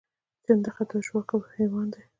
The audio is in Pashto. چنډخه دوه ژواکه حیوان دی